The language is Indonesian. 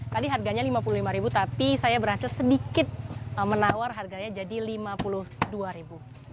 tadi harganya rp lima puluh lima tapi saya berhasil sedikit menawar harganya jadi rp lima puluh dua ribu